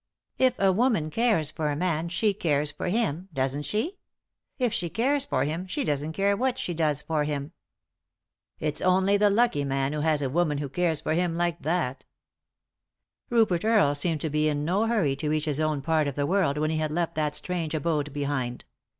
" If a woman cares for a man she cares for him, doesn't she ? If she cares for him she doesn't care what she does for him 1 " 25 3i 9 iii^d by Google THE INTERRUPTED KISS " It's only the lucky man who has a woman who cares for him like that." Rupert Earle seemed to be in no hurry to reach his own part of the world when he had left that strange abode behind.